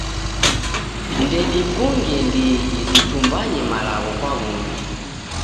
Ndedifunge ndighi ditumbanye malagho kwa w'ungi.